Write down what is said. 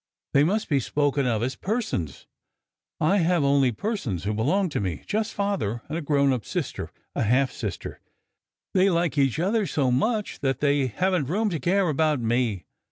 They must be spoken of as * persons. I have only persons who belong to me just Father and a grown up sister a half sister. They like each other so much that they haven t room to care about me.